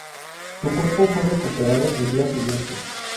Su cuerpo fue recuperado el día siguiente.